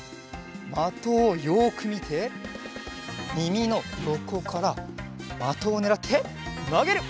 まとをよくみてみみのよこからまとをねらってなげる！